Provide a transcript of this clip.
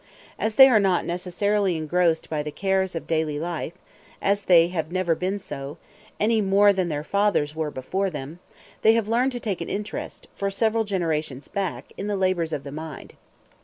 As they are not necessarily engrossed by the cares of daily life as they have never been so, any more than their fathers were before them they have learned to take an interest, for several generations back, in the labors of the mind.